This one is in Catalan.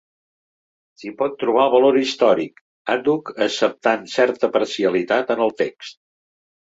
S'hi pot trobar valor històric, àdhuc acceptant certa parcialitat en el text.